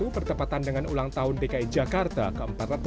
bertepatan dengan ulang tahun dki jakarta ke empat ratus empat puluh